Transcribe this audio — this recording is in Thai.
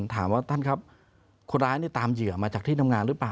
ถามว่าท่านครับคนร้ายตามเหยื่อมาจากที่ทำงานหรือเปล่า